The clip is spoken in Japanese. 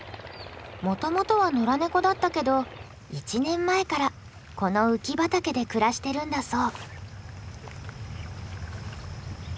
もともとは野良ネコだったけど１年前からこの浮き畑で暮らしてるんだそう。